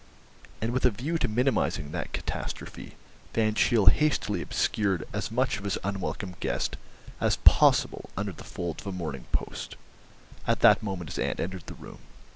And with a view to minimising that catastrophe, Van Cheele hastily obscured as much of his unwelcome guest as possible under the folds of a Morning Post. At that moment his aunt entered the room.